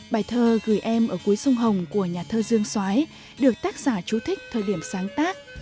bài thơ gửi em ở cuối sông hồng của nhà thơ dương xoái được tác giả chú thích thời điểm sáng tác